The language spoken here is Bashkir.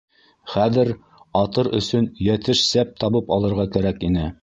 Хәҙер атыр өсөн йәтеш сәп табып алырға кәрәк ине.